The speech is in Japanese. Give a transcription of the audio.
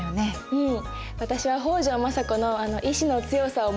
うん。